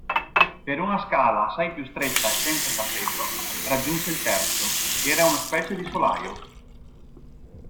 Per una scala assai più stretta e senza tappeto, raggiunse il terzo, che era una specie di solaio.